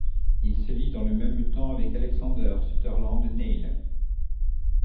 Il se lie dans le même temps avec Alexander Sutherland Neill.